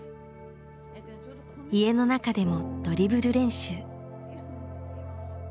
家の中でもドリブル練習。